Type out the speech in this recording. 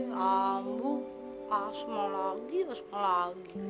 eh ambuh asma lagi asma lagi